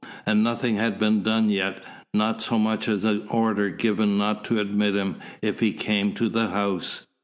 And nothing had been done yet, not so much as an order given not to admit him if he came to the house.